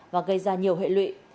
và gây ra nhiều hệ lụy